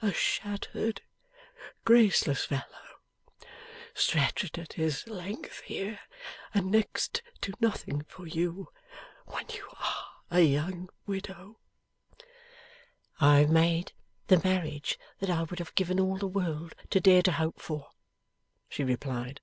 'A shattered graceless fellow, stretched at his length here, and next to nothing for you when you are a young widow.' 'I have made the marriage that I would have given all the world to dare to hope for,' she replied.